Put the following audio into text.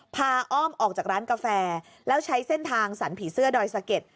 อ้อมออกจากร้านกาแฟแล้วใช้เส้นทางสรรผีเสื้อดอยสะเก็ด